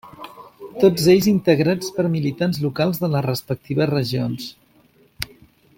Tots ells integrats per militants locals de les respectives regions.